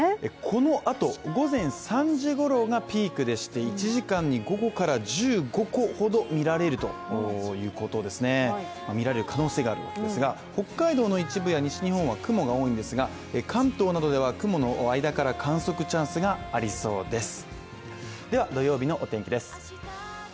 このあと午前３時ごろがピークでして、１時間に５個から１５個ほど見られる可能性があるということですが北海道の一部や西日本は雲が多いんですが、関東などでは雲の間から観測チャンスがありそうです。